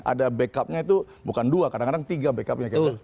ada backupnya itu bukan dua kadang kadang tiga backupnya kita